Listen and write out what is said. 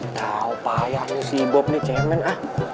tau payahnya si ibob nih cemen ah